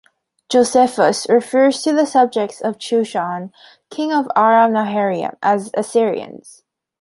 Josephus refers to the subjects of Chushan, king of Aram Naharaim, as Assyrians.